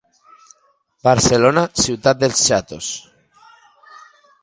Barcelona, ciutat dels xatos.